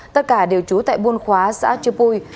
tất cả đều trú tại buôn khóa xã chư pui